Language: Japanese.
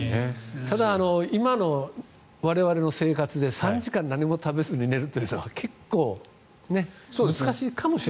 ただ、今の我々の生活で３時間何も食べずに寝るというのは結構難しいかもしれないので。